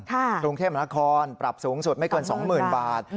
กรุงเทพมนาคมปรับสูงสุดไม่เกิน๒๐๐๐บาท